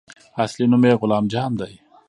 اصلي نوم يې غلام جان دى.